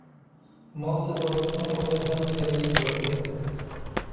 مال سېتىۋالغۇچىنىڭ قولى ھەممە يەرگە يېتەتتى.